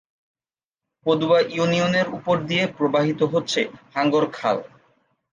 পদুয়া ইউনিয়নের উপর দিয়ে প্রবাহিত হচ্ছে হাঙ্গর খাল।